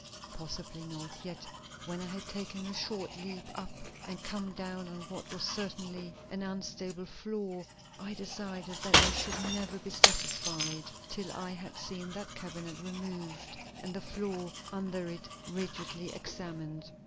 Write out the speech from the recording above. Possibly not; yet when I had taken a short leap up and come down on what was certainly an unstable floor, I decided that I should never be satisfied till I had seen that cabinet removed and the floor under it rigidly examined.